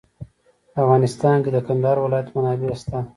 په افغانستان کې د کندهار ولایت منابع شته.